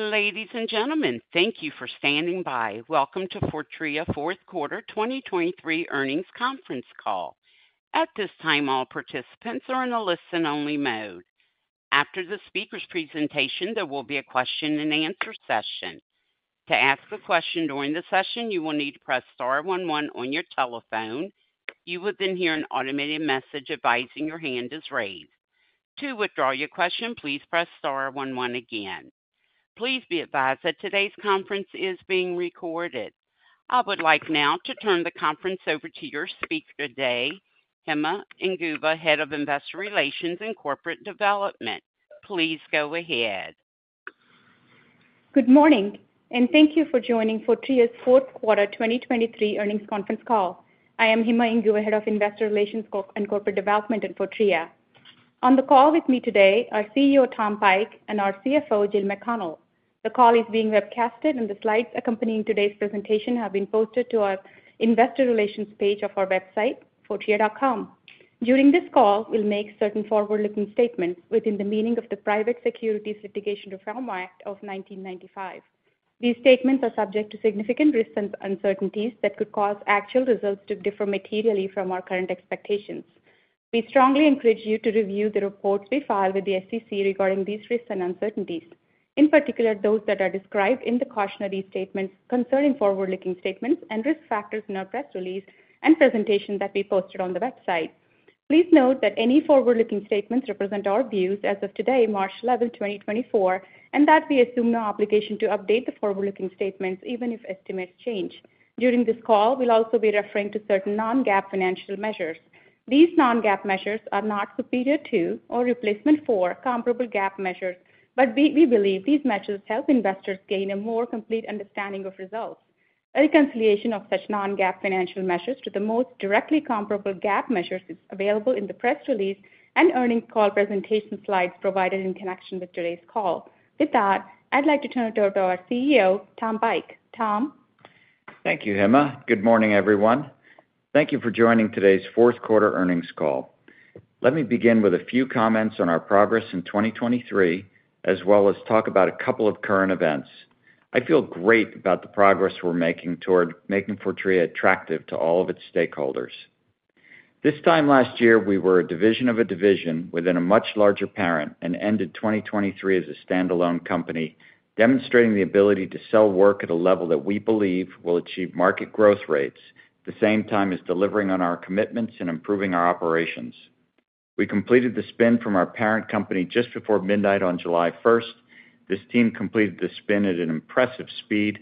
Ladies and gentlemen, thank you for standing by. Welcome to Fortrea Fourth Quarter 2023 Earnings Conference Call. At this time, all participants are in a listen-only mode. After the speaker's presentation, there will be a Q&A session. To ask a question during the session, you will need to press star one one on your telephone. You will then hear an automated message advising your hand is raised. To withdraw your question, please press star one one again. Please be advised that today's conference is being recorded. I would like now to turn the conference over to your speaker today, Hima Inguva, Head of Investor Relations and Corporate Development. Please go ahead. Good morning, and thank you for joining Fortrea's fourth quarter 2023 earnings conference call. I am Hima Inguva, Head of Investor Relations and Corporate Development at Fortrea. On the call with me today are CEO, Tom Pike, and our CFO, Jill McConnell. The call is being webcast, and the slides accompanying today's presentation have been posted to our investor relations page of our website, fortrea.com. During this call, we'll make certain forward-looking statements within the meaning of the Private Securities Litigation Reform Act of 1995. These statements are subject to significant risks and uncertainties that could cause actual results to differ materially from our current expectations. We strongly encourage you to review the reports we file with the SEC regarding these risks and uncertainties, in particular, those that are described in the cautionary statements concerning forward-looking statements and risk factors in our press release and presentation that we posted on the website. Please note that any forward-looking statements represent our views as of today, March 11, 2024, and that we assume no obligation to update the forward-looking statements, even if estimates change. During this call, we'll also be referring to certain non-GAAP financial measures. These non-GAAP measures are not superior to or replacement for comparable GAAP measures, but we believe these measures help investors gain a more complete understanding of results. A reconciliation of such non-GAAP financial measures to the most directly comparable GAAP measures is available in the press release and earnings call presentation slides provided in connection with today's call. With that, I'd like to turn it over to our CEO, Tom Pike. Tom? Thank you, Hima. Good morning, everyone. Thank you for joining today's fourth quarter earnings call. Let me begin with a few comments on our progress in 2023, as well as talk about a couple of current events. I feel great about the progress we're making toward making Fortrea attractive to all of its stakeholders. This time last year, we were a division of a division within a much larger parent and ended 2023 as a standalone company, demonstrating the ability to sell work at a level that we believe will achieve market growth rates, the same time as delivering on our commitments and improving our operations. We completed the spin from our parent company just before midnight on July first. This team completed the spin at an impressive speed,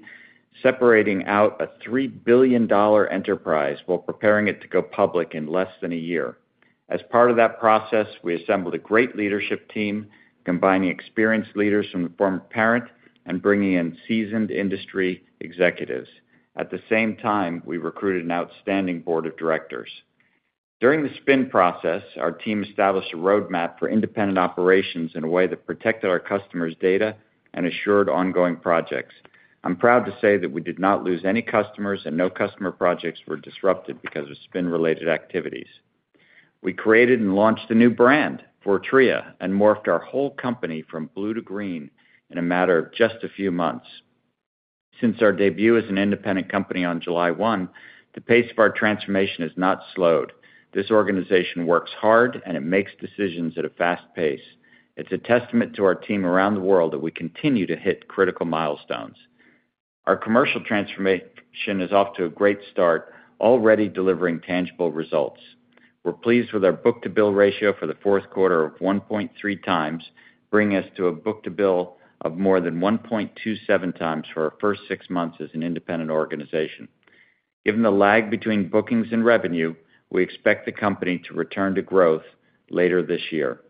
separating out a $3 billion enterprise while preparing it to go public in less than a year. As part of that process, we assembled a great leadership team, combining experienced leaders from the former parent and bringing in seasoned industry executives. At the same time, we recruited an outstanding board of directors. During the spin process, our team established a roadmap for independent operations in a way that protected our customers' data and assured ongoing projects. I'm proud to say that we did not lose any customers, and no customer projects were disrupted because of spin-related activities. We created and launched a new brand, Fortrea, and morphed our whole company from blue to green in a matter of just a few months. Since our debut as an independent company on July 1, the pace of our transformation has not slowed. This organization works hard, and it makes decisions at a fast pace. It's a testament to our team around the world that we continue to hit critical milestones. Our commercial transformation is off to a great start, already delivering tangible results. We're pleased with our book-to-bill ratio for the fourth quarter of 1.3 times, bringing us to a book-to-bill of more than 1.27 times for our first six months as an independent organization. Given the lag between bookings and revenue, we expect the company to return to growth later this year.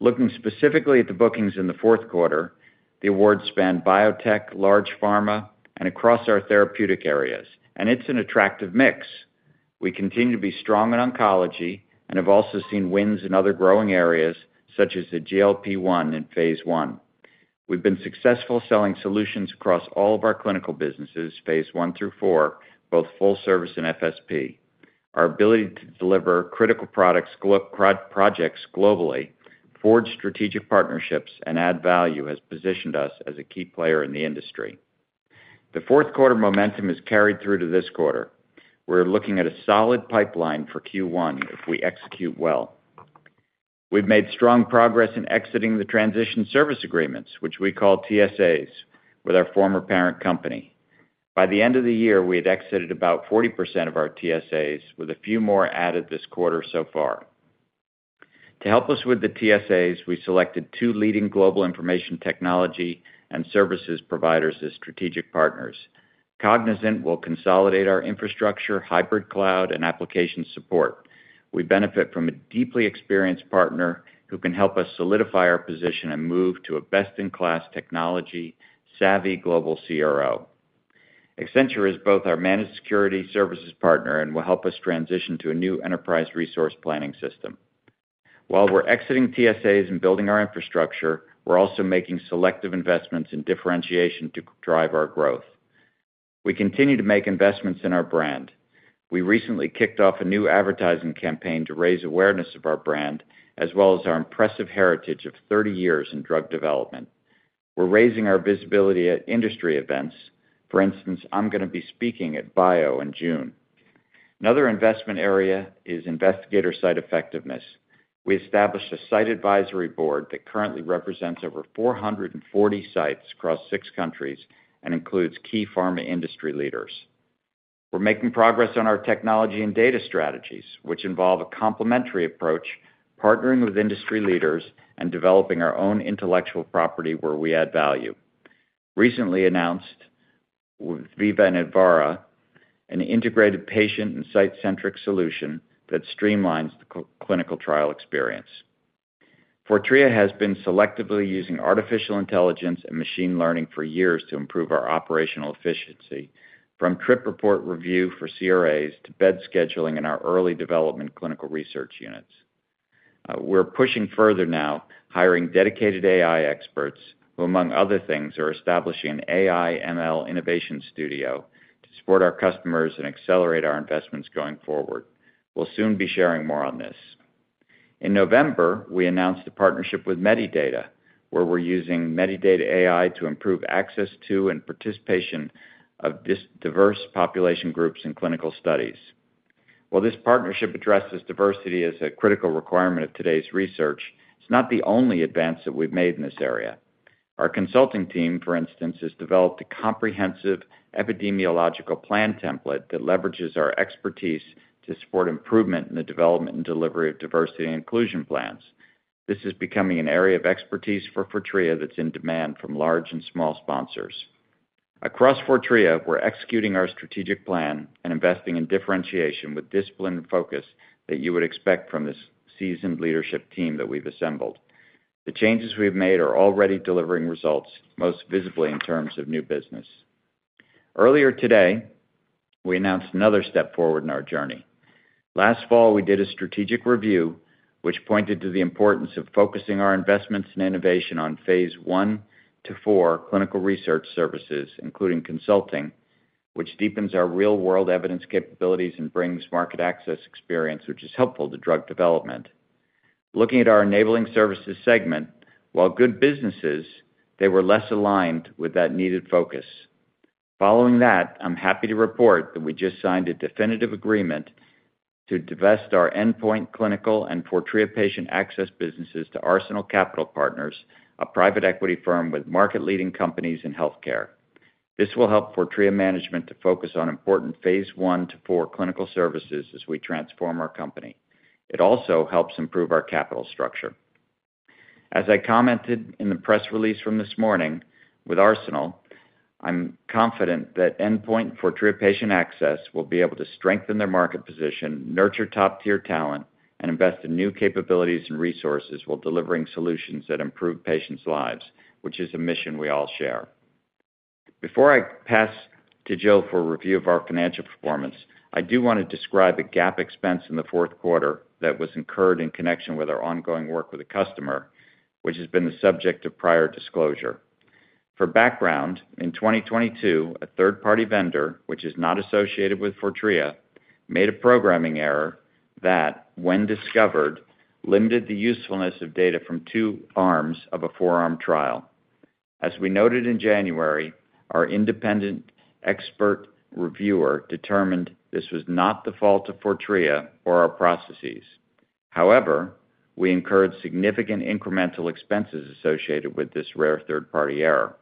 Looking specifically at the bookings in the fourth quarter, the awards span biotech, large pharma, and across our therapeutic areas, and it's an attractive mix. We continue to be strong in oncology and have also seen wins in other growing areas, such as the GLP-1 in Phase I. We've been successful selling solutions across all of our clinical businesses, Phase I through IV, both full service and FSP. Our ability to deliver critical global projects globally, forge strategic partnerships, and add value has positioned us as a key player in the industry. The fourth quarter momentum is carried through to this quarter. We're looking at a solid pipeline for Q1 if we execute well. We've made strong progress in exiting the transition service agreements, which we call TSAs, with our former parent company. By the end of the year, we had exited about 40% of our TSAs, with a few more added this quarter so far. To help us with the TSAs, we selected two leading global information technology and services providers as strategic partners. Cognizant will consolidate our infrastructure, hybrid cloud, and application support. We benefit from a deeply experienced partner who can help us solidify our position and move to a best-in-class, technology-savvy global CRO. Accenture is both our managed security services partner and will help us transition to a new enterprise resource planning system. While we're exiting TSAs and building our infrastructure, we're also making selective investments in differentiation to drive our growth.... We continue to make investments in our brand. We recently kicked off a new advertising campaign to raise awareness of our brand, as well as our impressive heritage of 30 years in drug development. We're raising our visibility at industry events. For instance, I'm gonna be speaking at BIO in June. Another investment area is investigator site effectiveness. We established a site advisory board that currently represents over 440 sites across six countries and includes key pharma industry leaders. We're making progress on our technology and data strategies, which involve a complementary approach, partnering with industry leaders, and developing our own intellectual property where we add value. Recently announced with Veeva and Advarra, an integrated patient and site-centric solution that streamlines the clinical trial experience. Fortrea has been selectively using artificial intelligence and machine learning for years to improve our operational efficiency, from trip report review for CRAs to bed scheduling in our early development clinical research units. We're pushing further now, hiring dedicated AI experts, who, among other things, are establishing an AI/ML innovation studio to support our customers and accelerate our investments going forward. We'll soon be sharing more on this. In November, we announced a partnership with Medidata, where we're using Medidata AI to improve access to and participation of diverse population groups in clinical studies. While this partnership addresses diversity as a critical requirement of today's research, it's not the only advance that we've made in this area. Our consulting team, for instance, has developed a comprehensive epidemiological plan template that leverages our expertise to support improvement in the development and delivery of diversity and inclusion plans. This is becoming an area of expertise for Fortrea that's in demand from large and small sponsors. Across Fortrea, we're executing our strategic plan and investing in differentiation with discipline and focus that you would expect from this seasoned leadership team that we've assembled. The changes we've made are already delivering results, most visibly in terms of new business. Earlier today, we announced another step forward in our journey. Last fall, we did a strategic review, which pointed to the importance of focusing our investments and innovation on Phase I to IV clinical research services, including consulting, which deepens our real-world evidence capabilities and brings market access experience, which is helpful to drug development. Looking at our Enabling Services segment, while good businesses, they were less aligned with that needed focus. Following that, I'm happy to report that we just signed a definitive agreement to divest our Endpoint Clinical and Fortrea Patient Access businesses to Arsenal Capital Partners, a private equity firm with market-leading companies in healthcare. This will help Fortrea management to focus on important Phase I to IV clinical services as we transform our company. It also helps improve our capital structure. As I commented in the press release from this morning, with Arsenal, I'm confident that Endpoint, Fortrea Patient Access will be able to strengthen their market position, nurture top-tier talent, and invest in new capabilities and resources while delivering solutions that improve patients' lives, which is a mission we all share. Before I pass to Jill for a review of our financial performance, I do wanna describe a GAAP expense in the fourth quarter that was incurred in connection with our ongoing work with a customer, which has been the subject of prior disclosure. For background, in 2022, a third-party vendor, which is not associated with Fortrea, made a programming error that, when discovered, limited the usefulness of data from 2 arms of a 4-arm trial. As we noted in January, our independent expert reviewer determined this was not the fault of Fortrea or our processes. However, we incurred significant incremental expenses associated with this rare third-party error.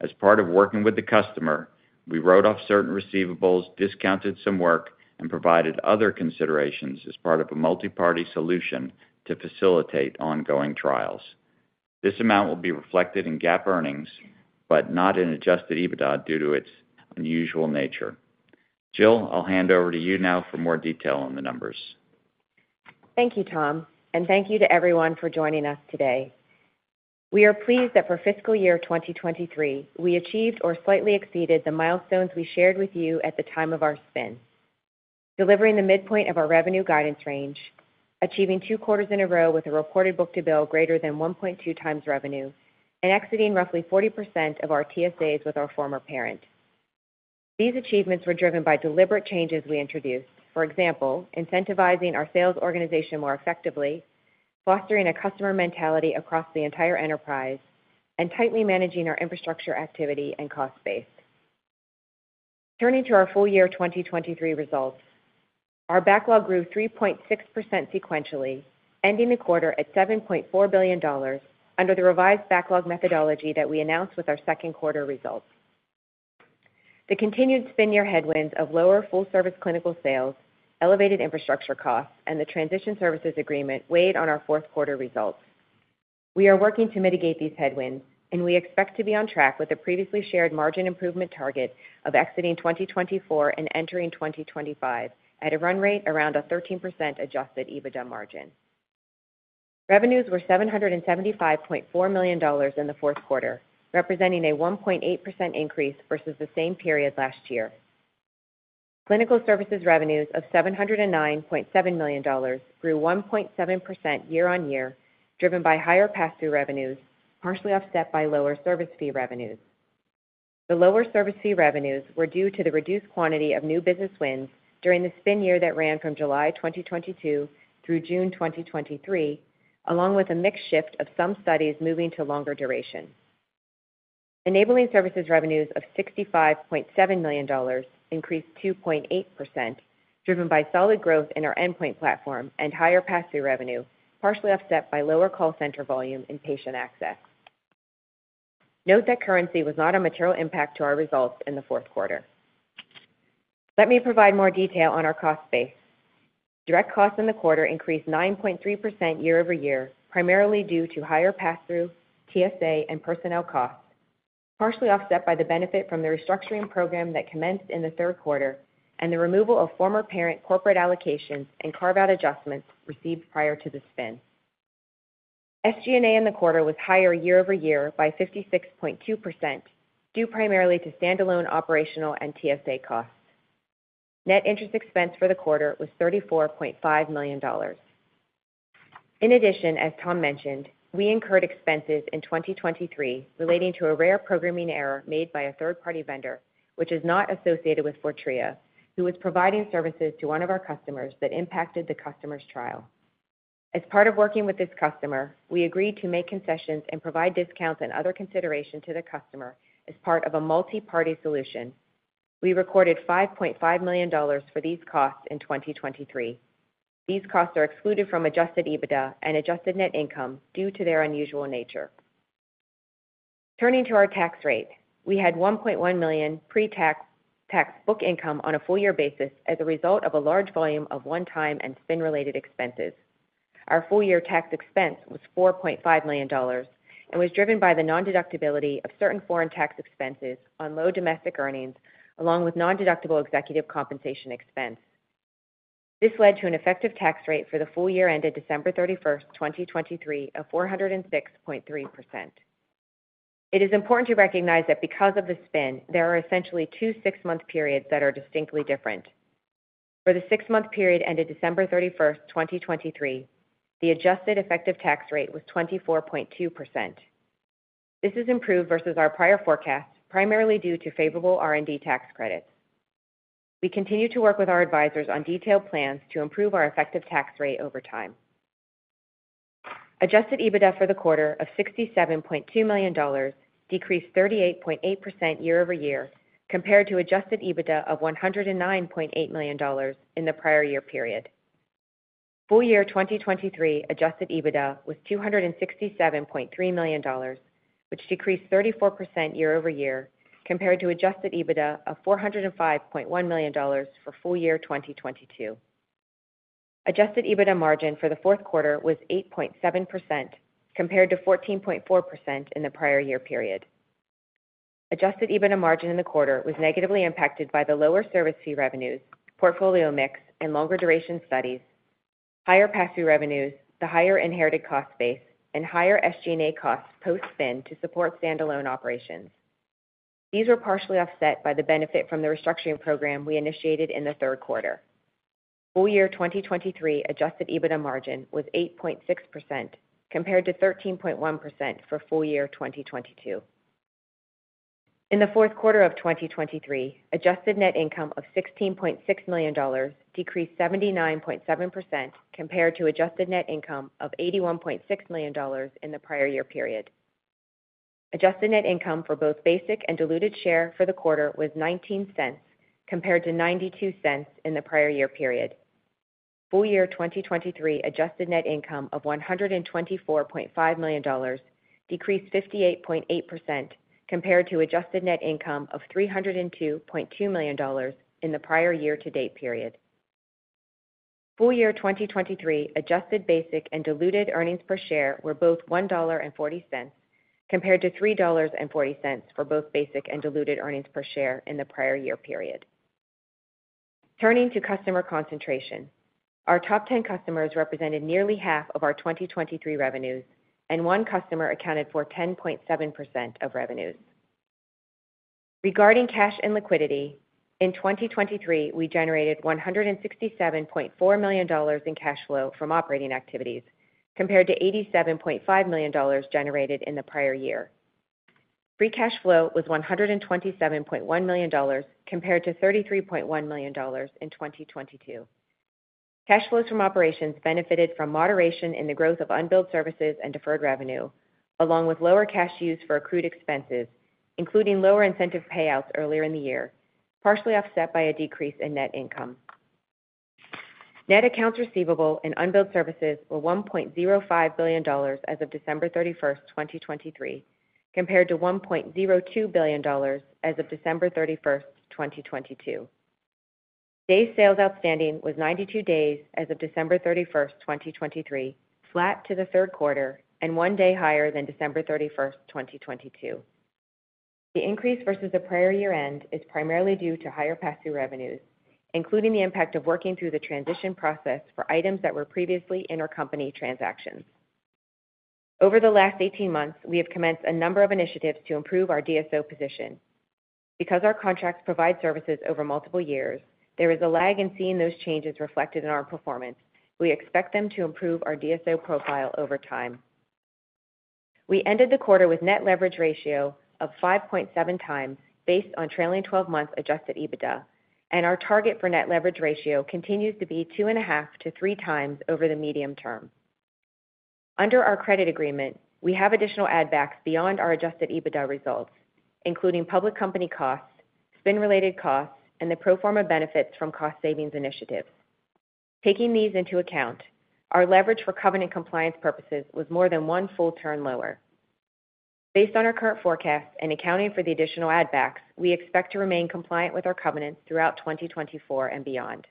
As part of working with the customer, we wrote off certain receivables, discounted some work, and provided other considerations as part of a multiparty solution to facilitate ongoing trials. This amount will be reflected in GAAP earnings, but not in Adjusted EBITDA due to its unusual nature. Jill, I'll hand over to you now for more detail on the numbers. Thank you, Tom, and thank you to everyone for joining us today. We are pleased that for fiscal year 2023, we achieved or slightly exceeded the milestones we shared with you at the time of our spin, delivering the midpoint of our revenue guidance range, achieving two quarters in a row with a reported book-to-bill greater than 1.2 times revenue, and exiting roughly 40% of our TSAs with our former parent. These achievements were driven by deliberate changes we introduced. For example, incentivizing our sales organization more effectively, fostering a customer mentality across the entire enterprise, and tightly managing our infrastructure activity and cost base. Turning to our full year 2023 results, our backlog grew 3.6% sequentially, ending the quarter at $7.4 billion under the revised backlog methodology that we announced with our second quarter results. The continued spin year headwinds of lower full-service clinical sales, elevated infrastructure costs, and the transition services agreement weighed on our fourth quarter results. We are working to mitigate these headwinds, and we expect to be on track with the previously shared margin improvement target of exiting 2024 and entering 2025 at a run rate around a 13% Adjusted EBITDA margin. Revenues were $775.4 million in the fourth quarter, representing a 1.8% increase versus the same period last year. Clinical services revenues of $709.7 million grew 1.7% year-on-year, driven by higher pass-through revenues, partially offset by lower service fee revenues. The lower service fee revenues were due to the reduced quantity of new business wins during the spin year that ran from July 2022-June 2023, along with a mixed shift of some studies moving to longer duration. Enabling Services revenues of $65.7 million increased 2.8%, driven by solid growth in our Endpoint platform and higher pass-through revenue, partially offset by lower call-center volume and patient access. Note that currency was not a material impact to our results in the fourth quarter. Let me provide more detail on our cost base. Direct costs in the quarter increased 9.3% year-over-year, primarily due to higher pass-through, TSA, and personnel costs, partially offset by the benefit from the restructuring program that commenced in the third quarter and the removal of former parent corporate allocations and carve-out adjustments received prior to the spin. SG&A in the quarter was higher year-over-year by 56.2%, due primarily to standalone operational and TSA costs. Net interest expense for the quarter was $34.5 million. In addition, as Tom mentioned, we incurred expenses in 2023 relating to a rare programming error made by a third-party vendor, which is not associated with Fortrea, who was providing services to one of our customers that impacted the customer's trial. As part of working with this customer, we agreed to make concessions and provide discounts and other consideration to the customer as part of a multi-party solution. We recorded $5.5 million for these costs in 2023. These costs are excluded from adjusted EBITDA and adjusted net income due to their unusual nature. Turning to our tax rate, we had $1.1 million pre-tax book income on a full year basis as a result of a large volume of one-time and spin-related expenses. Our full-year tax expense was $4.5 million and was driven by the non-deductibility of certain foreign tax expenses on low domestic earnings, along with nondeductible executive compensation expense. This led to an effective tax rate for the full year ended December 31st, 2023, of 406.3%. It is important to recognize that because of the spin, there are essentially two six-month periods that are distinctly different. For the six-month period ended December 31st, 2023, the adjusted effective tax rate was 24.2%. This is improved versus our prior forecast, primarily due to favorable R&D tax credits. We continue to work with our advisors on detailed plans to improve our effective tax rate over time. Adjusted EBITDA for the quarter of $67.2 million decreased 38.8% year-over-year, compared to adjusted EBITDA of $109.8 million in the prior year period. Full year 2023 adjusted EBITDA was $267.3 million, which decreased 34% year-over-year, compared to adjusted EBITDA of $405.1 million for full year 2022. Adjusted EBITDA margin for the fourth quarter was 8.7%, compared to 14.4% in the prior year period. Adjusted EBITDA margin in the quarter was negatively impacted by the lower service fee revenues, portfolio mix, and longer duration studies, higher pass-through revenues, the higher inherited cost base, and higher SG&A costs post-spin to support standalone operations. These were partially offset by the benefit from the restructuring program we initiated in the third quarter. Full year 2023 adjusted EBITDA margin was 8.6%, compared to 13.1% for full year 2022. In the fourth quarter of 2023, adjusted net income of $16.6 million decreased 79.7% compared to adjusted net income of $81.6 million in the prior year period. Adjusted net income for both basic and diluted share for the quarter was $0.19, compared to $0.92 in the prior year period. Full year 2023 adjusted net income of $124.5 million decreased 58.8% compared to adjusted net income of $302.2 million in the prior year-to-date period. Full year 2023 adjusted basic and diluted earnings per share were both $1.40, compared to $3.40 for both basic and diluted earnings per share in the prior year period. Turning to customer concentration. Our top 10 customers represented nearly half of our 2023 revenues, and one customer accounted for 10.7% of revenues. Regarding cash and liquidity, in 2023, we generated $167.4 million in cash flow from operating activities, compared to $87.5 million generated in the prior year. Free cash flow was $127.1 million compared to $33.1 million in 2022. Cash flows from operations benefited from moderation in the growth of unbilled services and deferred revenue, along with lower cash used for accrued expenses, including lower incentive payouts earlier in the year, partially offset by a decrease in net income. Net accounts receivable and unbilled services were $1.05 billion as of December 31st, 2023, compared to $1.02 billion as of December 31st, 2022. Days sales outstanding was 92 days as of December 31st, 2023, flat to the third quarter and one day higher than December 31st, 2022. The increase versus the prior year-end is primarily due to higher pass-through revenues, including the impact of working through the transition process for items that were previously in our company transactions. Over the last 18 months, we have commenced a number of initiatives to improve our DSO position. Because our contracts provide services over multiple years, there is a lag in seeing those changes reflected in our performance. We expect them to improve our DSO profile over time. We ended the quarter with net leverage ratio of 5.7 times based on trailing 12-month adjusted EBITDA, and our target for net leverage ratio continues to be 2.5-3 times over the medium term. Under our credit agreement, we have additional add backs beyond our Adjusted EBITDA results, including public company costs, spin-related costs, and the pro forma benefits from cost savings initiatives. Taking these into account, our leverage for covenant compliance purposes was more than one full turn lower. Based on our current forecast and accounting for the additional add backs, we expect to remain compliant with our covenants throughout 2024 and beyond.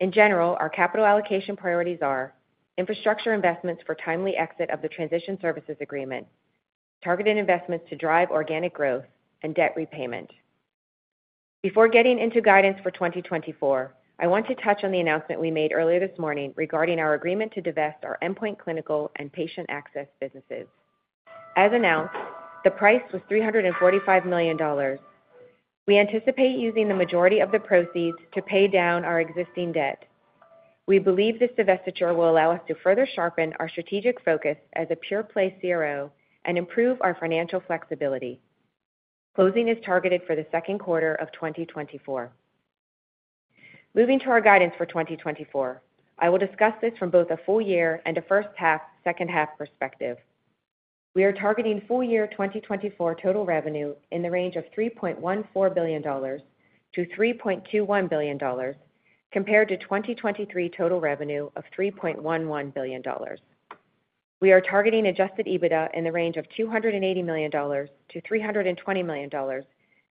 In general, our capital allocation priorities are infrastructure investments for timely exit of the transition services agreement, targeted investments to drive organic growth and debt repayment. Before getting into guidance for 2024, I want to touch on the announcement we made earlier this morning regarding our agreement to divest our Endpoint Clinical and Patient Access businesses. As announced, the price was $345 million. We anticipate using the majority of the proceeds to pay down our existing debt. We believe this divestiture will allow us to further sharpen our strategic focus as a pure-play CRO and improve our financial flexibility. Closing is targeted for the second quarter of 2024. Moving to our guidance for 2024. I will discuss this from both a full year and a first half, second half perspective. We are targeting full year 2024 total revenue in the range of $3.14 billion-$3.21 billion, compared to 2023 total revenue of $3.11 billion. We are targeting Adjusted EBITDA in the range of $280 million-$320 million,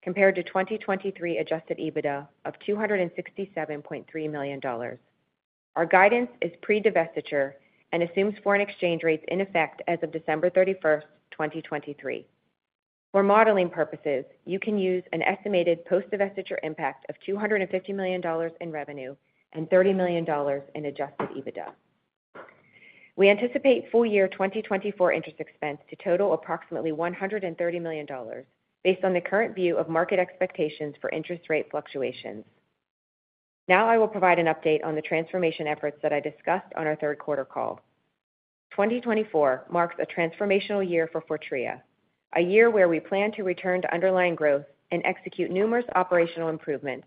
compared to 2023 Adjusted EBITDA of $267.3 million. Our guidance is pre-divestiture and assumes foreign exchange rates in effect as of December 31, 2023. For modeling purposes, you can use an estimated post-divestiture impact of $250 million in revenue and $30 million in Adjusted EBITDA. We anticipate full year 2024 interest expense to total approximately $130 million, based on the current view of market expectations for interest rate fluctuations. Now, I will provide an update on the transformation efforts that I discussed on our third quarter call. 2024 marks a transformational year for Fortrea, a year where we plan to return to underlying growth and execute numerous operational improvements.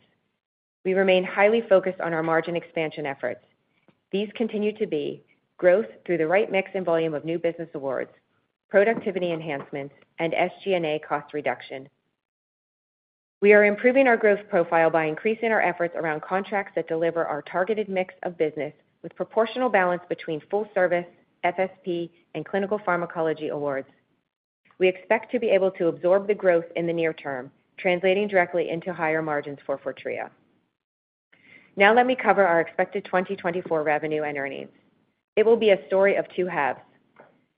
We remain highly focused on our margin expansion efforts. These continue to be growth through the right mix and volume of new business awards, productivity enhancements and SG&A cost reduction. We are improving our growth profile by increasing our efforts around contracts that deliver our targeted mix of business with proportional balance between full service, FSP, and clinical pharmacology awards. We expect to be able to absorb the growth in the near term, translating directly into higher margins for Fortrea. Now let me cover our expected 2024 revenue and earnings. It will be a story of two halves.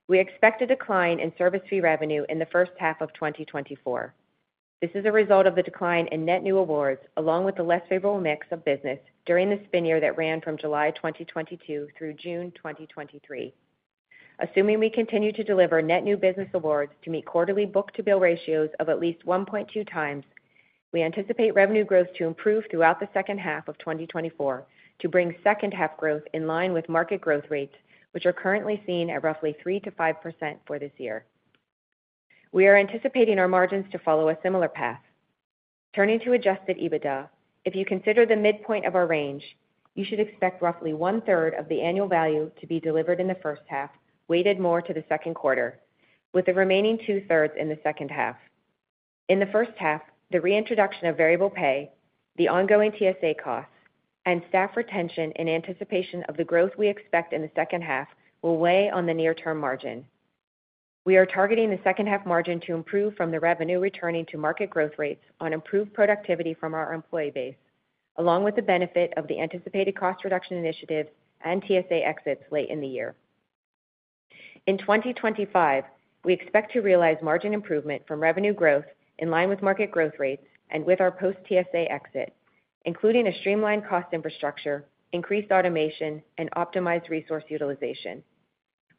We expect a decline in service fee revenue in the first half of 2024. This is a result of the decline in net new awards, along with the less favorable mix of business during the spin year that ran from July 2022-June 2023. Assuming we continue to deliver net new business awards to meet quarterly book-to-bill ratios of at least 1.2 times, we anticipate revenue growth to improve throughout the second half of 2024 to bring second half growth in line with market growth rates, which are currently seen at roughly 3%-5% for this year. We are anticipating our margins to follow a similar path. Turning to Adjusted EBITDA, if you consider the midpoint of our range, you should expect roughly one-third of the annual value to be delivered in the first half, weighted more to the second quarter, with the remaining two-thirds in the second half. In the first half, the reintroduction of variable pay, the ongoing TSA costs, and staff retention in anticipation of the growth we expect in the second half will weigh on the near-term margin. We are targeting the second half margin to improve from the revenue returning to market growth rates on improved productivity from our employee base, along with the benefit of the anticipated cost reduction initiatives and TSA exits late in the year. In 2025, we expect to realize margin improvement from revenue growth in line with market growth rates and with our post-TSA exit, including a streamlined cost infrastructure, increased automation and optimized resource utilization.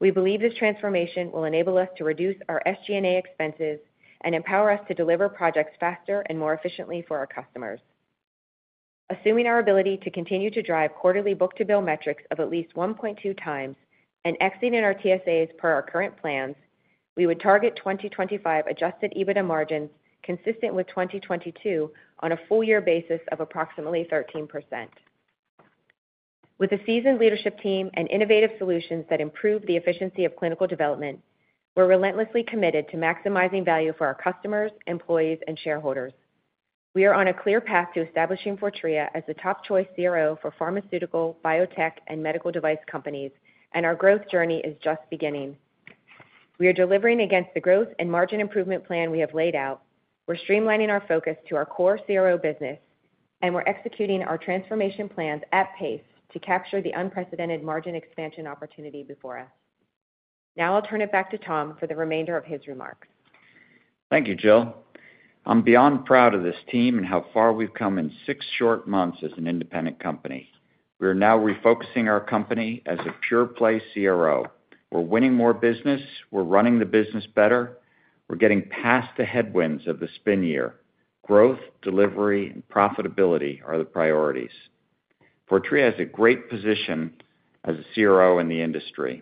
We believe this transformation will enable us to reduce our SG&A expenses and empower us to deliver projects faster and more efficiently for our customers. Assuming our ability to continue to drive quarterly book-to-bill metrics of at least 1.2x and exiting our TSAs per our current plans, we would target 2025 Adjusted EBITDA margins consistent with 2022 on a full year basis of approximately 13%. With a seasoned leadership team and innovative solutions that improve the efficiency of clinical development, we're relentlessly committed to maximizing value for our customers, employees, and shareholders. We are on a clear path to establishing Fortrea as a top choice CRO for pharmaceutical, biotech and medical device companies, and our growth journey is just beginning. We are delivering against the growth and margin improvement plan we have laid out. We're streamlining our focus to our core CRO business, and we're executing our transformation plans at pace to capture the unprecedented margin expansion opportunity before us. Now I'll turn it back to Tom for the remainder of his remarks. Thank you, Jill. I'm beyond proud of this team and how far we've come in six short months as an independent company. We are now refocusing our company as a pure play CRO. We're winning more business, we're running the business better, we're getting past the headwinds of the spin year. Growth, delivery, and profitability are the priorities. Fortrea has a great position as a CRO in the industry.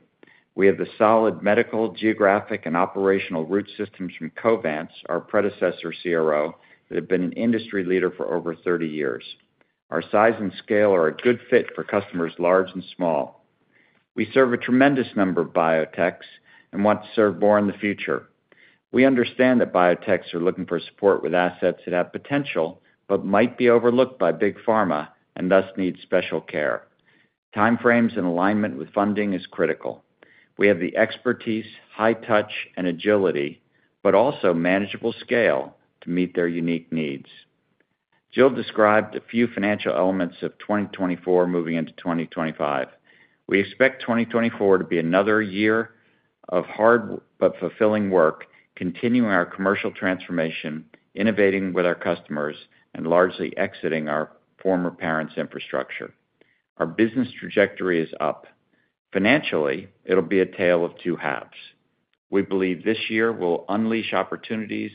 We have the solid medical, geographic, and operational root systems from Covance, our predecessor CRO, that have been an industry leader for over 30 years. Our size and scale are a good fit for customers large and small. We serve a tremendous number of biotechs and want to serve more in the future. We understand that biotechs are looking for support with assets that have potential, but might be overlooked by big pharma and thus need special care. Time frames and alignment with funding is critical. We have the expertise, high touch, and agility, but also manageable scale to meet their unique needs. Jill described a few financial elements of 2024 moving into 2025. We expect 2024 to be another year of hard but fulfilling work, continuing our commercial transformation, innovating with our customers, and largely exiting our former parent's infrastructure. Our business trajectory is up. Financially, it'll be a tale of two halves. We believe this year will unleash opportunities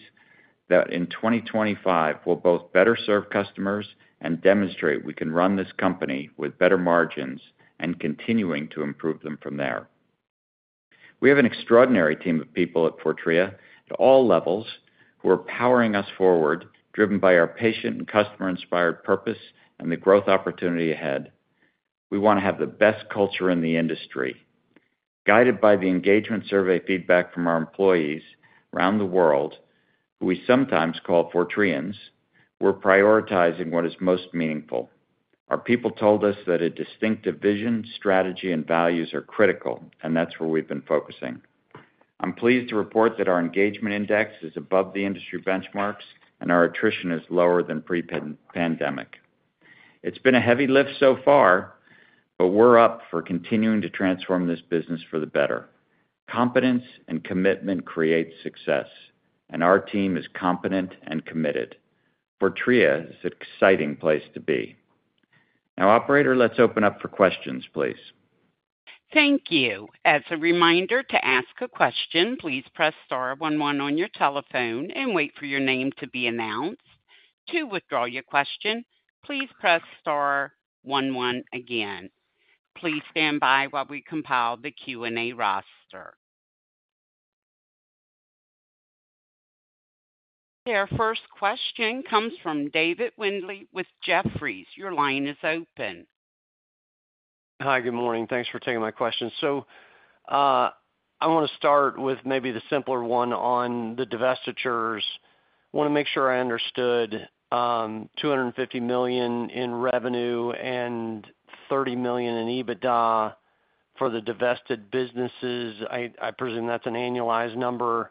that in 2025, will both better serve customers and demonstrate we can run this company with better margins and continuing to improve them from there. We have an extraordinary team of people at Fortrea at all levels, who are powering us forward, driven by our patient and customer-inspired purpose and the growth opportunity ahead. We want to have the best culture in the industry. Guided by the engagement survey feedback from our employees around the world, who we sometimes call Fortreans, we're prioritizing what is most meaningful. Our people told us that a distinctive vision, strategy, and values are critical, and that's where we've been focusing. I'm pleased to report that our engagement index is above the industry benchmarks, and our attrition is lower than pre-pandemic. It's been a heavy lift so far, but we're up for continuing to transform this business for the better. Competence and commitment creates success, and our team is competent and committed. Fortrea is an exciting place to be. Now, operator, let's open up for questions, please. Thank you. As a reminder to ask a question, please press star one one on your telephone and wait for your name to be announced. To withdraw your question, please press star one one again. Please stand by while we compile the Q&A roster. Our first question comes from David Windley with Jefferies. Your line is open. Hi, good morning. Thanks for taking my question. So, I want to start with maybe the simpler one on the divestitures. Want to make sure I understood, $250 million in revenue and $30 million in EBITDA for the divested businesses. I, I presume that's an annualized number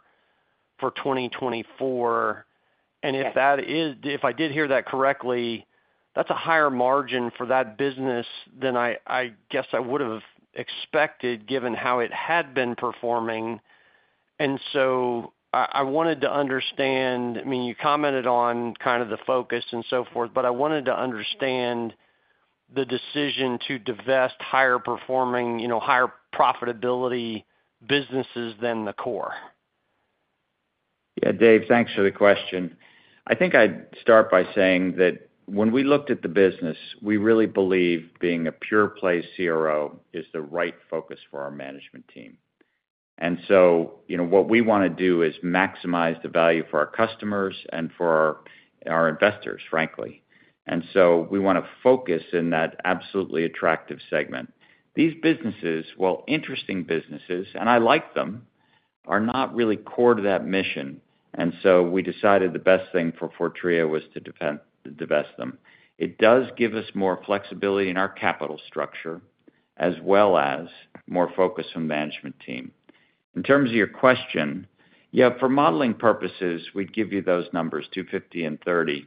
for 2024. And if that is—if I did hear that correctly, that's a higher margin for that business than I, I guess I would have expected, given how it had been performing. And so I, I wanted to understand... I mean, you commented on kind of the focus and so forth, but I wanted to understand the decision to divest higher performing, you know, higher profitability businesses than the core. Yeah, Dave, thanks for the question. I think I'd start by saying that when we looked at the business, we really believe being a pure play CRO is the right focus for our management team. And so, you know, what we want to do is maximize the value for our customers and for our, our investors, frankly. And so we want to focus in that absolutely attractive segment. These businesses, while interesting businesses, and I like them, are not really core to that mission, and so we decided the best thing for Fortrea was to divest them. It does give us more flexibility in our capital structure, as well as more focus from management team. In terms of your question, yeah, for modeling purposes, we'd give you those numbers, $250 and $30.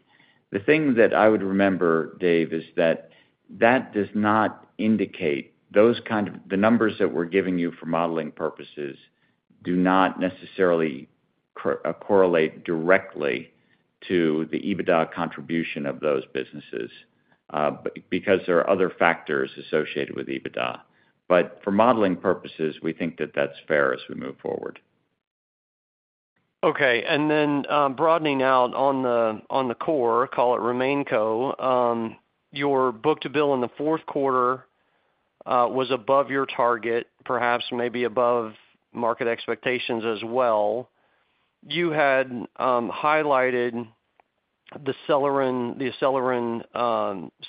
The thing that I would remember, Dave, is that that does not indicate those kind of the numbers that we're giving you for modeling purposes do not necessarily correlate directly to the EBITDA contribution of those businesses, because there are other factors associated with EBITDA. But for modeling purposes, we think that that's fair as we move forward. Okay. And then, broadening out on the core, call it RemainCo, your book-to-bill in the fourth quarter was above your target, perhaps maybe above market expectations as well. You had highlighted the Acelyrin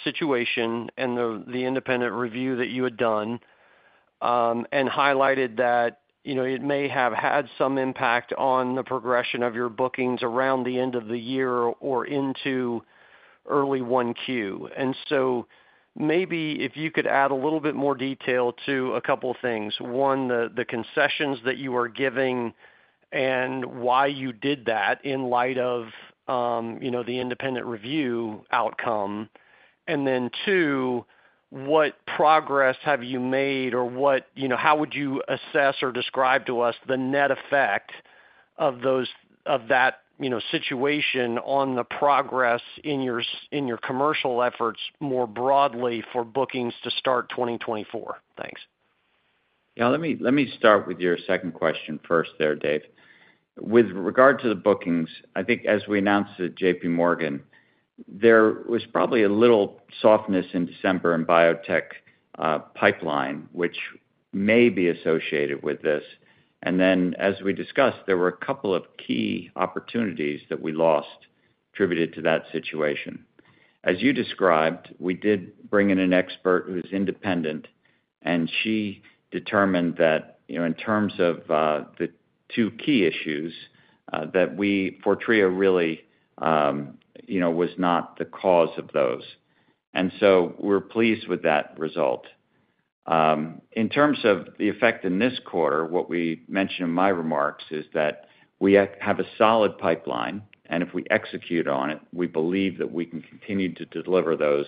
situation and the independent review that you had done, and highlighted that, you know, it may have had some impact on the progression of your bookings around the end of the year or into early 1Q. And so maybe if you could add a little bit more detail to a couple of things. 1, the concessions that you were giving and why you did that in light of, you know, the independent review outcome. And then 2, what progress have you made, or what- you know, how would you assess or describe to us the net effect-... of those, of that, you know, situation on the progress in your commercial efforts more broadly for bookings to start 2024? Thanks. Yeah, let me start with your second question first there, Dave. With regard to the bookings, I think as we announced at JP Morgan, there was probably a little softness in December in biotech pipeline, which may be associated with this. And then, as we discussed, there were a couple of key opportunities that we lost, attributed to that situation. As you described, we did bring in an expert who's independent, and she determined that, you know, in terms of the two key issues that we, Fortrea really you know was not the cause of those. And so we're pleased with that result. In terms of the effect in this quarter, what we mentioned in my remarks is that we have a solid pipeline, and if we execute on it, we believe that we can continue to deliver those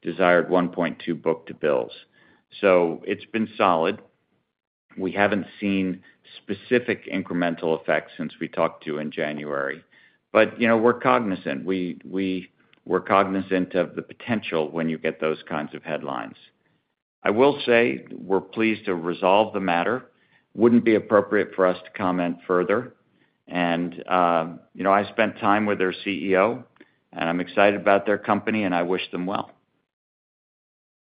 desired 1.2 book-to-bills. So it's been solid. We haven't seen specific incremental effects since we talked to you in January. But, you know, we're cognizant of the potential when you get those kinds of headlines. I will say, we're pleased to resolve the matter. Wouldn't be appropriate for us to comment further. And, you know, I spent time with their CEO, and I'm excited about their company, and I wish them well.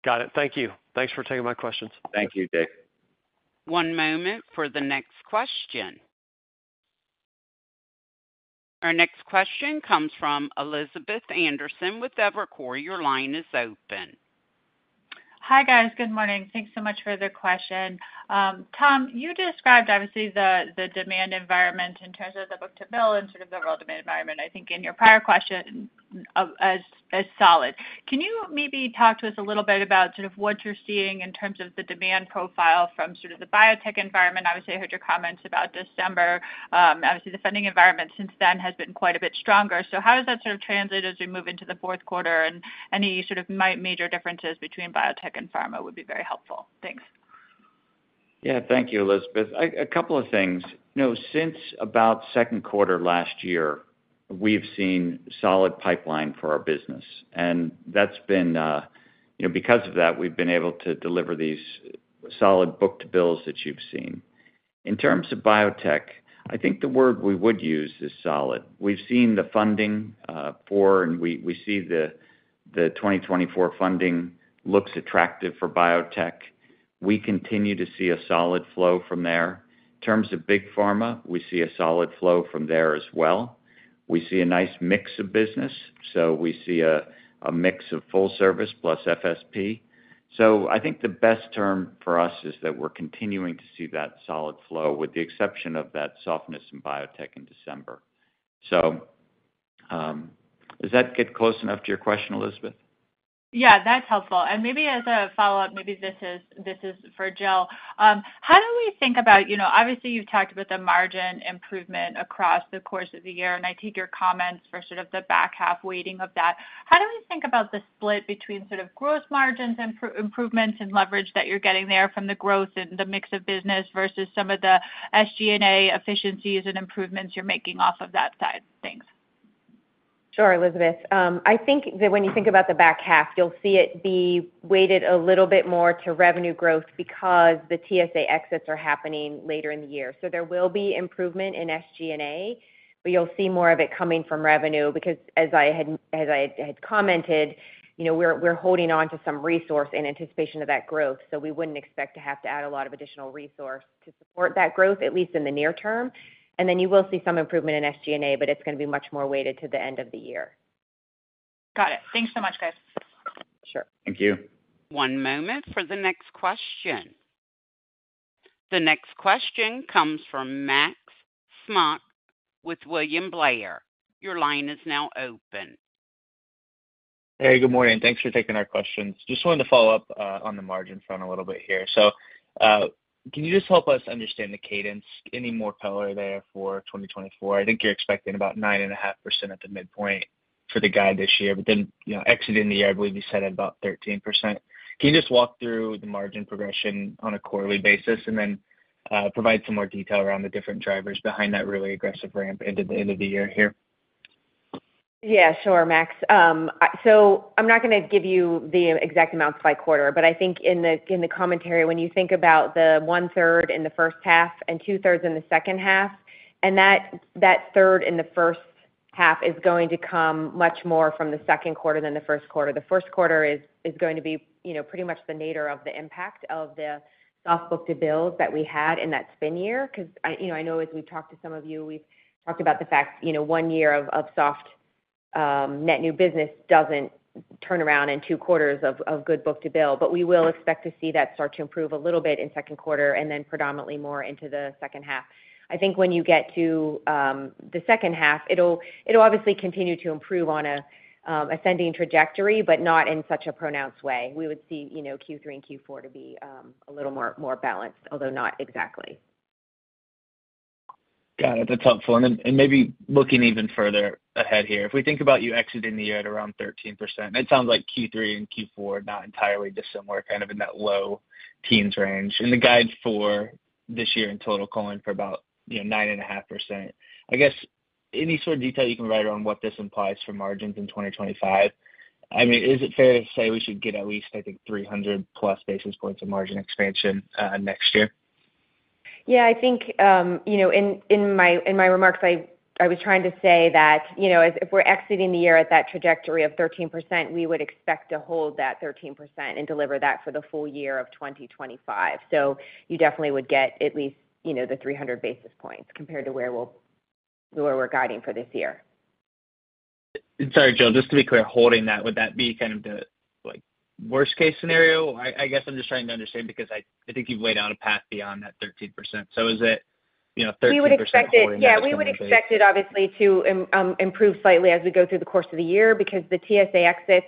Got it. Thank you. Thanks for taking my questions. Thank you, Dave. One moment for the next question. Our next question comes from Elizabeth Anderson with Evercore. Your line is open. Hi, guys. Good morning. Thanks so much for the question. Tom, you described, obviously, the demand environment in terms of the book-to-bill and sort of the overall demand environment, I think in your prior question, as solid. Can you maybe talk to us a little bit about sort of what you're seeing in terms of the demand profile from sort of the biotech environment? Obviously, I heard your comments about December. Obviously, the funding environment since then has been quite a bit stronger. So how does that sort of translate as we move into the fourth quarter, and any sort of major differences between biotech and pharma would be very helpful. Thanks. Yeah, thank you, Elizabeth. A couple of things. You know, since about second quarter last year, we've seen solid pipeline for our business, and that's been, you know, because of that, we've been able to deliver these solid book-to-bills that you've seen. In terms of biotech, I think the word we would use is solid. We've seen the funding for, and we see the 2024 funding looks attractive for biotech. We continue to see a solid flow from there. In terms of big pharma, we see a solid flow from there as well. We see a nice mix of business, so we see a mix of full service plus FSP. So I think the best term for us is that we're continuing to see that solid flow, with the exception of that softness in biotech in December. So, does that get close enough to your question, Elizabeth? Yeah, that's helpful. And maybe as a follow-up, maybe this is for Jill. How do we think about, you know, obviously, you've talked about the margin improvement across the course of the year, and I take your comments for sort of the back half weighting of that. How do we think about the split between sort of growth margins, improvements and leverage that you're getting there from the growth and the mix of business versus some of the SG&A efficiencies and improvements you're making off of that side? Thanks. Sure, Elizabeth. I think that when you think about the back half, you'll see it be weighted a little bit more to revenue growth because the TSA exits are happening later in the year. So there will be improvement in SG&A, but you'll see more of it coming from revenue, because as I had commented, you know, we're holding on to some resource in anticipation of that growth, so we wouldn't expect to have to add a lot of additional resource to support that growth, at least in the near term. And then you will see some improvement in SG&A, but it's gonna be much more weighted to the end of the year. Got it. Thanks so much, guys. Sure. Thank you. One moment for the next question. The next question comes from Max Smock with William Blair. Your line is now open. Hey, good morning. Thanks for taking our questions. Just wanted to follow up on the margin front a little bit here. So, can you just help us understand the cadence, any more color there for 2024? I think you're expecting about 9.5% at the midpoint for the guide this year, but then, you know, exiting the year, I believe you said about 13%. Can you just walk through the margin progression on a quarterly basis and then, provide some more detail around the different drivers behind that really aggressive ramp into the end of the year here? Yeah, sure, Max. So I'm not gonna give you the exact amounts by quarter, but I think in the, in the commentary, when you think about the one-third in the first half and two-thirds in the second half, and that third in the first half is going to come much more from the second quarter than the first quarter. The first quarter is going to be, you know, pretty much the nadir of the impact of the soft book-to-bill that we had in that spin year. Because I, you know, I know as we've talked to some of you, we've talked about the fact, you know, one year of soft net new business doesn't turn around in two quarters of good book-to-bill. But we will expect to see that start to improve a little bit in second quarter and then predominantly more into the second half. I think when you get to the second half, it'll obviously continue to improve on a ascending trajectory, but not in such a pronounced way. We would see, you know, Q3 and Q4 to be a little more balanced, although not exactly. Got it. That's helpful. And then maybe looking even further ahead here, if we think about you exiting the year at around 13%, it sounds like Q3 and Q4 are not entirely dissimilar, kind of in that low teens range. And the guide for this year in total, calling for about, you know, 9.5%. I guess-... any sort of detail you can provide on what this implies for margins in 2025? I mean, is it fair to say we should get at least, I think, 300+ basis points of margin expansion next year? Yeah, I think, you know, in my remarks, I was trying to say that, you know, if we're exiting the year at that trajectory of 13%, we would expect to hold that 13% and deliver that for the full year of 2025. So you definitely would get at least, you know, the 300 basis points compared to where we're guiding for this year. Sorry, Jill, just to be clear, holding that, would that be kind of the, like, worst case scenario? I, I guess I'm just trying to understand because I, I think you've laid out a path beyond that 13%. So is it, you know, 13% holding? We would expect it, yeah, we would expect it obviously to improve slightly as we go through the course of the year, because the TSA exits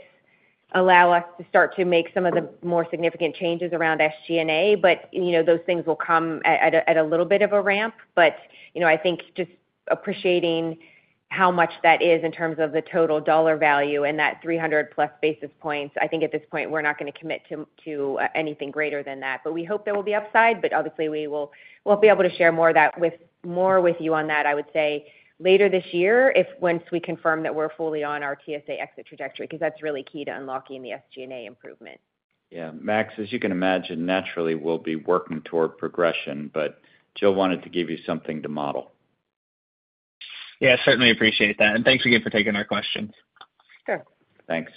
allow us to start to make some of the more significant changes around SG&A. But, you know, those things will come at a little bit of a ramp. But, you know, I think just appreciating how much that is in terms of the total dollar value and that 300+ basis points, I think at this point, we're not going to commit to anything greater than that. But we hope there will be upside, but obviously, we'll be able to share more of that more with you on that, I would say, later this year, if once we confirm that we're fully on our TSA exit trajectory, because that's really key to unlocking the SG&A improvement. Yeah, Max, as you can imagine, naturally, we'll be working toward progression, but Jill wanted to give you something to model. Yeah, certainly appreciate that, and thanks again for taking our questions. Sure. Thanks.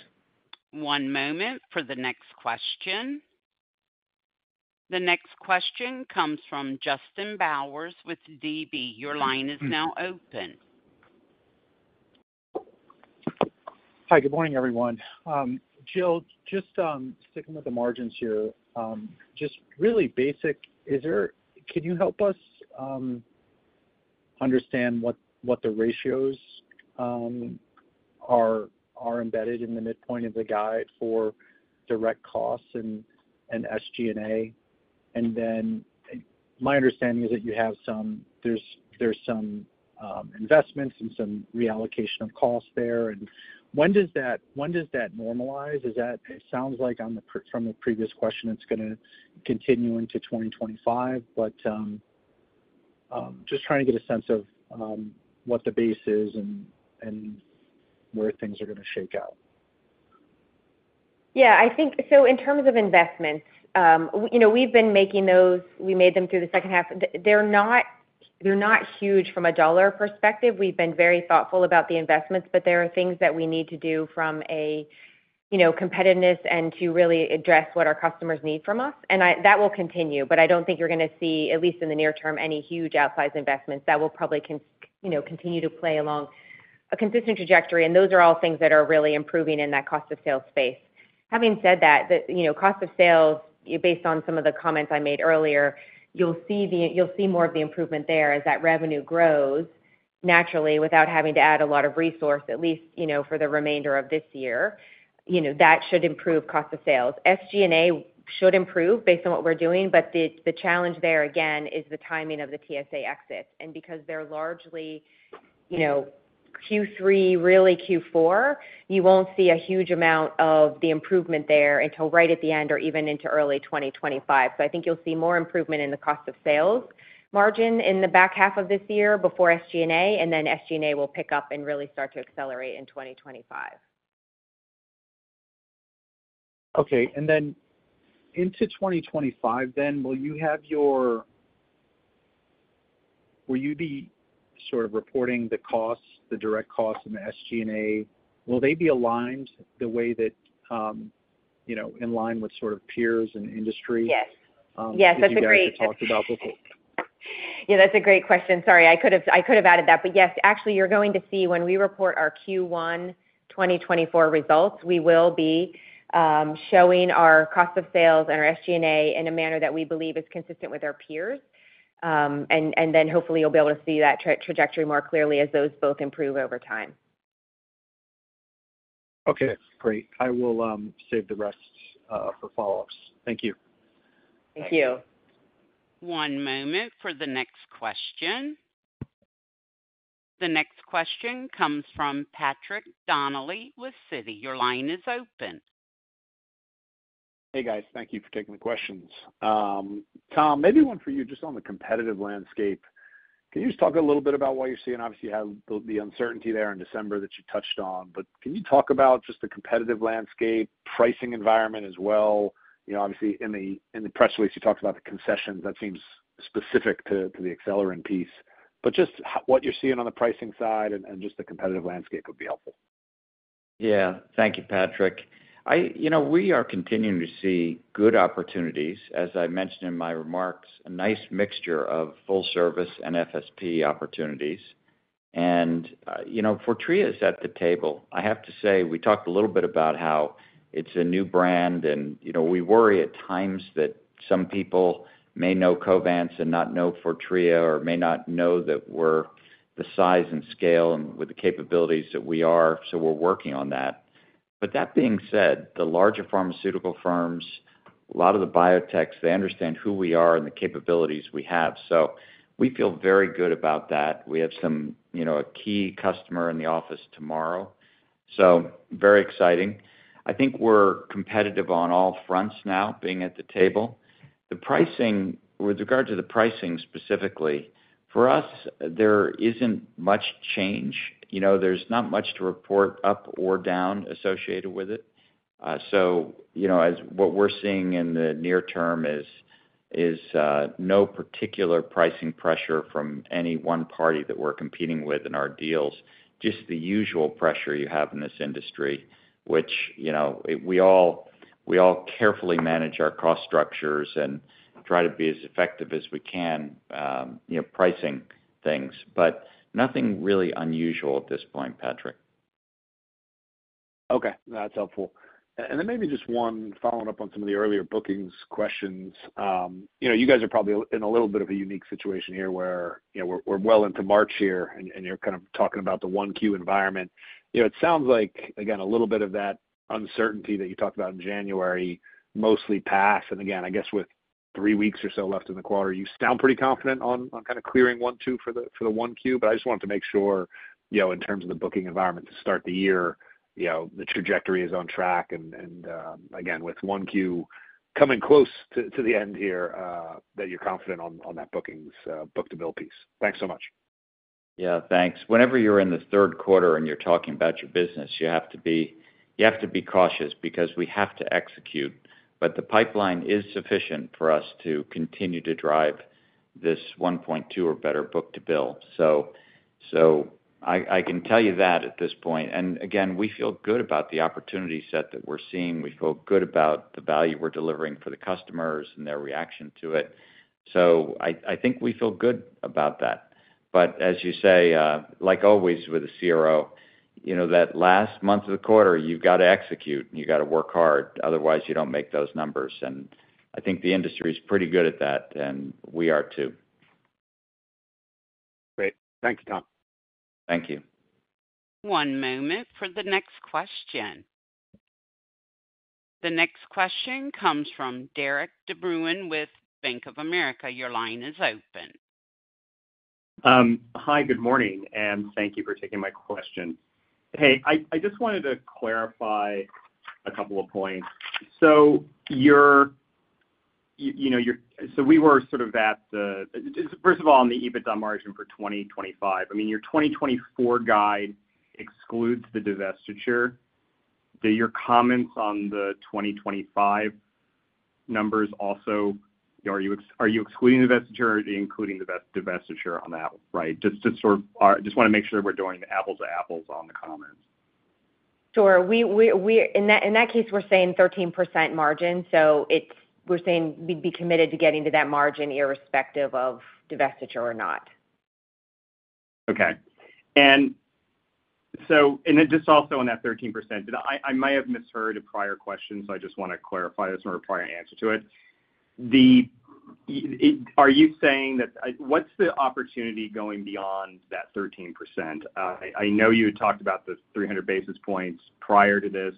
One moment for the next question. The next question comes from Justin Bowers with DB. Your line is now open. Hi, good morning, everyone. Jill, just sticking with the margins here, just really basic, is there, can you help us understand what the ratios are embedded in the midpoint of the guide for direct costs and SG&A? And then my understanding is that you have some, there's some investments and some reallocation of costs there. And when does that normalize? It sounds like from the previous question, it's gonna continue into 2025. But just trying to get a sense of what the base is and where things are going to shake out. Yeah, I think so in terms of investments, you know, we've been making those. We made them through the second half. They're not, they're not huge from a dollar perspective. We've been very thoughtful about the investments, but there are things that we need to do from a, you know, competitiveness and to really address what our customers need from us. And that will continue, but I don't think you're going to see, at least in the near term, any huge outsized investments. That will probably, you know, continue to play along a consistent trajectory, and those are all things that are really improving in that cost of sales space. Having said that, the, you know, cost of sales, based on some of the comments I made earlier, you'll see the—you'll see more of the improvement there as that revenue grows naturally, without having to add a lot of resource, at least, you know, for the remainder of this year. You know, that should improve cost of sales. SG&A should improve based on what we're doing, but the challenge there, again, is the timing of the TSA exits. And because they're largely, you know, Q3, really Q4, you won't see a huge amount of the improvement there until right at the end or even into early 2025. So I think you'll see more improvement in the cost of sales margin in the back half of this year before SG&A, and then SG&A will pick up and really start to accelerate in 2025. Okay, and then into 2025 then, will you be sort of reporting the costs, the direct costs, and the SG&A? Will they be aligned the way that, you know, in line with sort of peers and industry? Yes. Yes, that's a great- That you guys have talked about before. Yeah, that's a great question. Sorry, I could have, I could have added that. But yes, actually, you're going to see when we report our Q1 2024 results, we will be showing our cost of sales and our SG&A in a manner that we believe is consistent with our peers. And then hopefully you'll be able to see that trajectory more clearly as those both improve over time. Okay, great. I will save the rest for follow-ups. Thank you. Thank you. One moment for the next question. The next question comes from Patrick Donnelly with Citi. Your line is open. Hey, guys. Thank you for taking the questions. Tom, maybe one for you, just on the competitive landscape. Can you just talk a little bit about what you're seeing? Obviously, you have the, the uncertainty there in December that you touched on, but can you talk about just the competitive landscape, pricing environment as well? You know, obviously, in the, in the press release, you talked about the concessions. That seems specific to, to the Acelyrin piece. But just what you're seeing on the pricing side and, and just the competitive landscape would be helpful. Yeah. Thank you, Patrick. You know, we are continuing to see good opportunities. As I mentioned in my remarks, a nice mixture of full-service and FSP opportunities. And, you know, Fortrea is at the table. I have to say, we talked a little bit about how it's a new brand and, you know, we worry at times that some people may know Covance and not know Fortrea or may not know that we're the size and scale and with the capabilities that we are, so we're working on that. But that being said, the larger pharmaceutical firms, a lot of the biotechs, they understand who we are and the capabilities we have. So we feel very good about that. We have some, you know, a key customer in the office tomorrow. So very exciting. I think we're competitive on all fronts now, being at the table. The pricing, with regard to the pricing specifically, for us, there isn't much change. You know, there's not much to report up or down associated with it. So, you know, as what we're seeing in the near term is no particular pricing pressure from any one party that we're competing with in our deals, just the usual pressure you have in this industry, which, you know, we all, we all carefully manage our cost structures and try to be as effective as we can, you know, pricing things, but nothing really unusual at this point, Patrick. Okay, that's helpful. And then maybe just one following up on some of the earlier bookings questions. You know, you guys are probably in a little bit of a unique situation here where, you know, we're well into March here, and you're kind of talking about the 1Q environment. You know, it sounds like, again, a little bit of that uncertainty that you talked about in January, mostly passed. And again, I guess with three weeks or so left in the quarter, you sound pretty confident on kind of clearing 1.2 for the 1Q. But I just wanted to make sure, you know, in terms of the booking environment to start the year, you know, the trajectory is on track, and again, with Q1 coming close to the end here, that you're confident on that bookings book-to-bill piece. Thanks so much. Yeah, thanks. Whenever you're in the third quarter and you're talking about your business, you have to be, you have to be cautious because we have to execute. But the pipeline is sufficient for us to continue to drive this 1.2 or better book-to-bill. So, so I, I can tell you that at this point, and again, we feel good about the opportunity set that we're seeing. We feel good about the value we're delivering for the customers and their reaction to it. So I, I think we feel good about that. But as you say, like always, with a CRO, you know, that last month of the quarter, you've got to execute and you've got to work hard, otherwise you don't make those numbers. And I think the industry is pretty good at that, and we are too. Great. Thanks, Tom. Thank you. One moment for the next question. The next question comes from Derik de Bruin with Bank of America. Your line is open. Hi, good morning, and thank you for taking my question. Hey, I just wanted to clarify a couple of points. So you know, you're so we were sort of at the... First of all, on the EBITDA margin for 2025, I mean, your 2024 guide excludes the divestiture. Do your comments on the 2025 numbers also, you know, are you excluding the divestiture or including the divestiture on that, right? Just sort of just want to make sure we're doing apples to apples on the comments. Sure. We in that case, we're saying 13% margin, so it's, we're saying we'd be committed to getting to that margin, irrespective of divestiture or not. Okay. And so, and then just also on that 13%, did I-I might have misheard a prior question, so I just want to clarify this and require an answer to it. The, are you saying that-what's the opportunity going beyond that 13%? I know you had talked about the 300 basis points prior to this.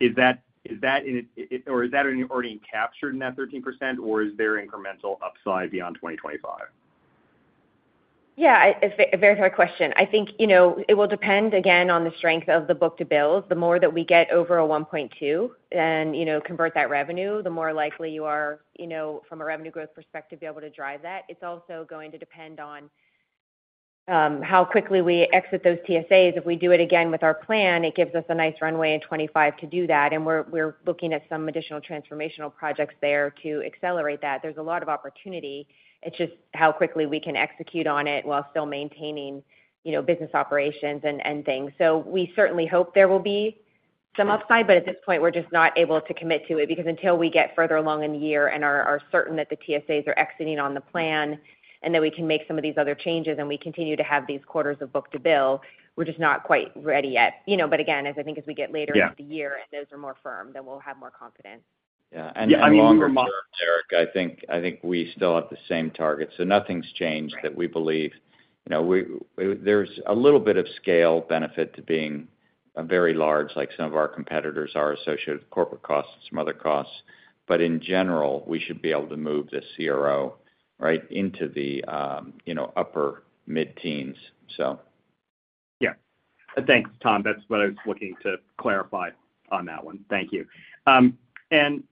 Is that it-or is that already captured in that 13%, or is there incremental upside beyond 2025? Yeah, a very hard question. I think, you know, it will depend, again, on the strength of the book-to-bill. The more that we get over a 1.2 and, you know, convert that revenue, the more likely you are, you know, from a revenue growth perspective, be able to drive that. It's also going to depend on how quickly we exit those TSAs. If we do it again with our plan, it gives us a nice runway in 2025 to do that, and we're looking at some additional transformational projects there to accelerate that. There's a lot of opportunity. It's just how quickly we can execute on it while still maintaining, you know, business operations and things. So we certainly hope there will be some upside, but at this point, we're just not able to commit to it, because until we get further along in the year and are certain that the TSAs are exiting on the plan and that we can make some of these other changes, and we continue to have these quarters of book-to-bill, we're just not quite ready yet. You know, but again, as I think as we get later- Yeah... in the year and those are more firm, then we'll have more confidence. Yeah, and longer term, Derik, I think, I think we still have the same target, so nothing's changed- Right... that we believe. You know, we, there's a little bit of scale benefit to being a very large, like some of our competitors are associated with corporate costs and some other costs, but in general, we should be able to move the CRO right into the, you know, upper mid-teens, so. Yeah. Thanks, Tom. That's what I was looking to clarify on that one. Thank you. And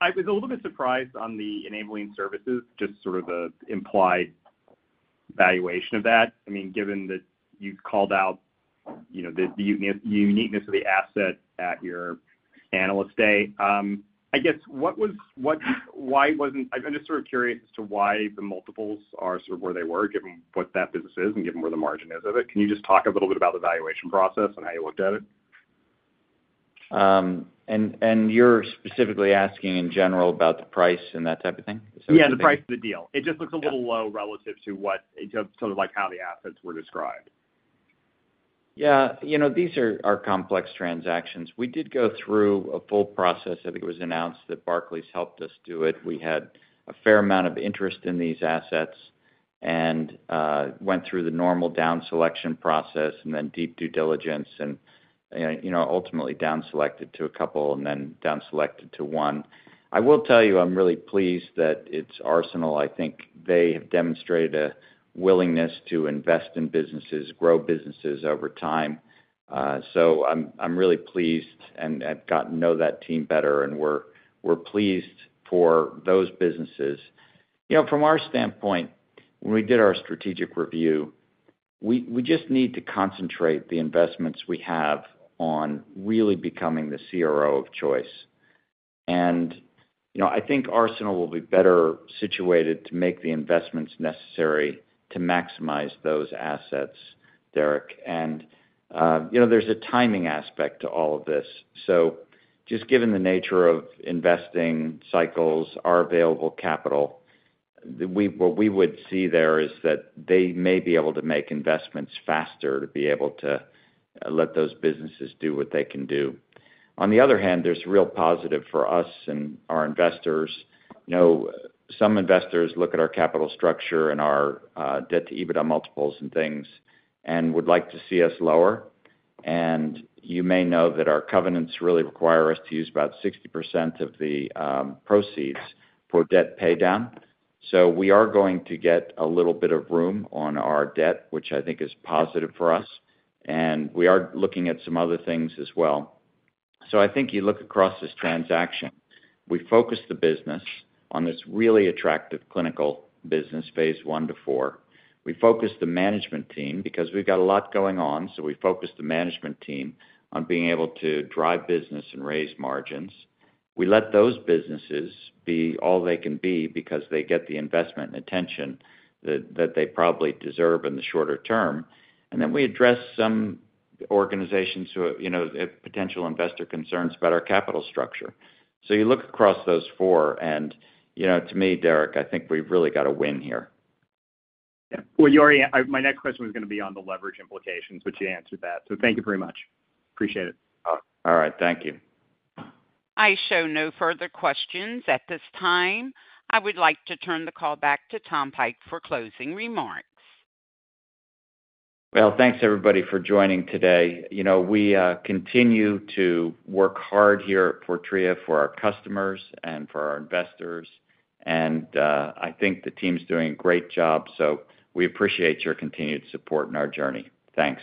I was a little bit surprised on the Enabling Services, just sort of the implied valuation of that. I mean, given that you've called out, you know, the uniqueness of the asset at your Analyst Day, I guess, what was, what, why wasn't. I'm just sort of curious as to why the multiples are sort of where they were, given what that business is and given where the margin is of it. Can you just talk a little bit about the valuation process and how you looked at it? And you're specifically asking in general about the price and that type of thing? Is that- Yeah, the price of the deal. Yeah. It just looks a little low relative to what, sort of like how the assets were described. Yeah, you know, these are complex transactions. We did go through a full process. I think it was announced that Barclays helped us do it. We had a fair amount of interest in these assets... and went through the normal down selection process and then deep due diligence and, you know, ultimately down selected to a couple and then down selected to one. I will tell you, I'm really pleased that it's Arsenal. I think they have demonstrated a willingness to invest in businesses, grow businesses over time. So I'm really pleased and gotten to know that team better, and we're pleased for those businesses. You know, from our standpoint, when we did our strategic review, we just need to concentrate the investments we have on really becoming the CRO of choice. And, you know, I think Arsenal will be better situated to make the investments necessary to maximize those assets, Derik. And, you know, there's a timing aspect to all of this. So just given the nature of investing cycles, our available capital, what we would see there is that they may be able to make investments faster, to be able to let those businesses do what they can do. On the other hand, there's real positive for us and our investors. You know, some investors look at our capital structure and our, debt-to-EBITDA multiples and things, and would like to see us lower. And you may know that our covenants really require us to use about 60% of the proceeds for debt paydown. So we are going to get a little bit of room on our debt, which I think is positive for us, and we are looking at some other things as well. So I think you look across this transaction. We focus the business on this really attractive clinical business, Phase I to IV. We focus the management team because we've got a lot going on, so we focus the management team on being able to drive business and raise margins. We let those businesses be all they can be because they get the investment and attention that, that they probably deserve in the shorter term. And then we address some organizations who have, you know, potential investor concerns about our capital structure. So you look across those four, and, you know, to me, Derik, I think we've really got a win here. Well, you already, my next question was gonna be on the leverage implications, but you answered that. So thank you very much. Appreciate it. All right. Thank you. I show no further questions at this time. I would like to turn the call back to Tom Pike for closing remarks. Well, thanks, everybody, for joining today. You know, we continue to work hard here at Fortrea for our customers and for our investors, and I think the team's doing a great job. So we appreciate your continued support in our journey. Thanks.